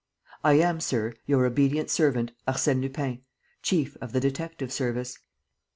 "I am, Sir, "Your obedient servant. "ARSÈNE LUPIN, "Chief of the Detective service."